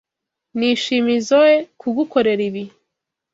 Nishimizoe kugukorera ibi.